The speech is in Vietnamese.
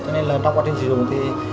cho nên trong quá trình sử dụng thì